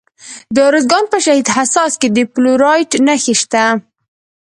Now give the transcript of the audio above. د ارزګان په شهید حساس کې د فلورایټ نښې شته.